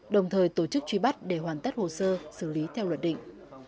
đồng thời tổ chức truy bắt để hoàn tất hồ sơ xử lý theo luật định